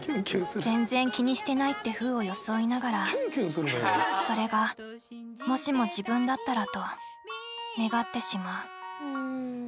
全然気にしてないってふうを装いながらそれがもしも自分だったらと願ってしまう。